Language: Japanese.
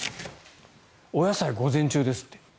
お野菜、午前中ですって。